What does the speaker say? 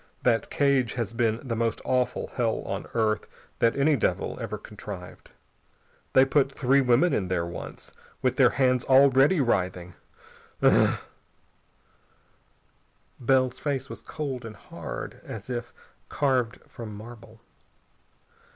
That cage has been the most awful hell on earth that any devil ever contrived. They put three women in there once, with their hands already writhing.... Ugh!..." Bell's face was cold and hard is if carved from marble.